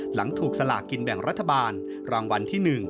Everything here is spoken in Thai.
หลังถูกสลากินแบ่งรัฐบาลรางวัลที่๑